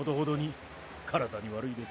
体に悪いですよ。